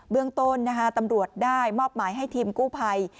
เรื่องต้นตำรวจได้มอบหมายให้ทีมกู้ภัย